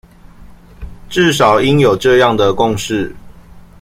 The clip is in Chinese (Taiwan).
至少應有這樣的共識